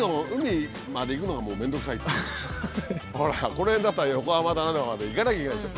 この辺だったら横浜だ何とかまで行かなきゃいけないでしょ。